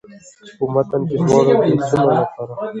چې په متن کې د دواړو جنسونو لپاره